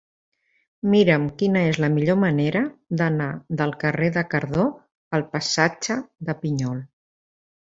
Mira'm quina és la millor manera d'anar del carrer de Cardó al passatge de Pinyol.